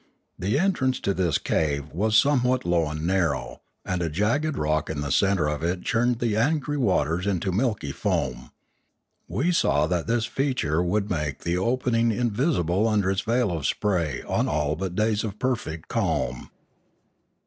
The entrance into this cave was somewhat low and narrow, and a jagged rock in the centre of it churned the angry waters into milky foam. We saw that this feature would make the open ing invisible under its veil of spray on all but days of perfect calm.